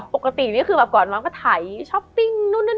ปกตินี่คือแบบก่อนมาก็ถ่ายช้อปปิ้งนู่น